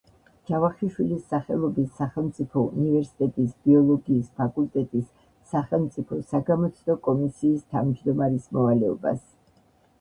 ჯავახიშვილის სახელობის სახელმწიფო უნივერსიტეტის ბიოლოგიის ფაკულტეტის სახელმწიფო საგამოცდო კომისიის თავმჯდომარის მოვალეობას.